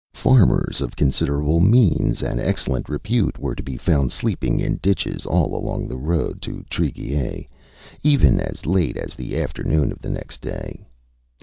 Farmers of considerable means and excellent repute were to be found sleeping in ditches, all along the road to Treguier, even as late as the afternoon of the next day.